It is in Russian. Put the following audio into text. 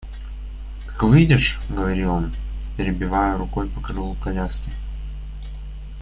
Как выедешь... — говорил он, перебивая рукой по крылу коляски.